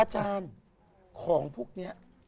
อาจารย์ของพวกนี้